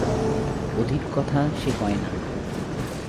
অধিক কথা সে কয় না।